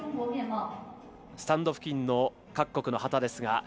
スタンド付近の各国の旗。